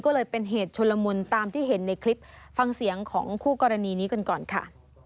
ก็เลยเป็นเหตุชนละมุนตามที่เห็นในคลิปฟังเสียงของคู่กรณีนี้กันก่อนค่ะ